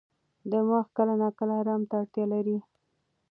دماغ کله ناکله ارام ته اړتیا لري.